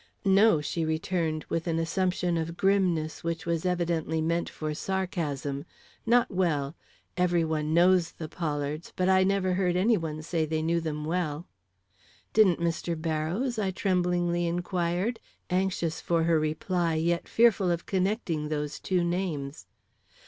"No," she returned, with an assumption of grimness, which was evidently meant for sarcasm, "not well. Every one knows the Pollards, but I never heard any one say they knew them well." "Didn't Mr. Barrows?" I tremblingly inquired, anxious for her reply, yet fearful of connecting those two names.